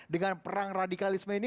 dengan perang radikalisme ini